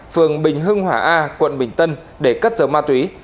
phường bình hưng hỏa a quận bình tân để cất dấu ma túy